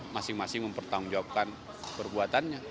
masing masing mempertanggungjawabkan perbuatannya